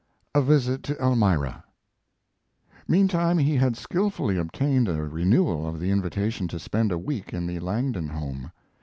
A VISIT TO ELMIRA Meantime he had skilfully obtained a renewal of the invitation to spend a week in the Langdon home.